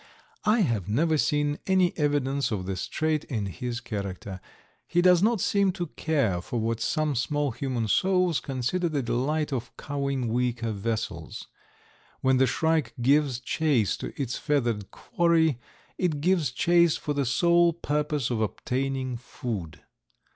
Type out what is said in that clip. I have never seen any evidence of this trait in his character. He does not seem to care for what some small human souls consider the delight of cowing weaker vessels. When the shrike gives chase to its feathered quarry it gives chase for the sole purpose of obtaining food.